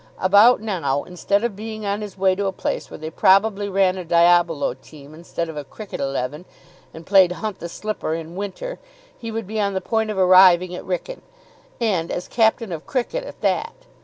About now, instead of being on his way to a place where they probably ran a diabolo team instead of a cricket eleven, and played hunt the slipper in winter, he would be on the point of arriving at Wrykyn. And as captain of cricket, at that.